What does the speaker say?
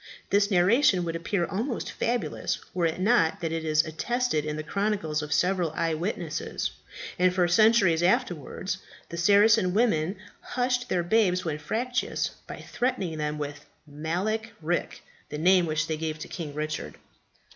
This narration would appear almost fabulous, were it not that it is attested in the chronicles of several eye witnesses, and for centuries afterwards the Saracen women hushed their babes when fractious by threatening them with Malek Rik, the name which they gave to King Richard.